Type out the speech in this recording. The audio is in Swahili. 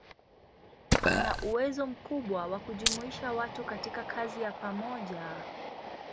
Ana uwezo mkubwa wa kujumuisha watu katika kazi ya pamoja.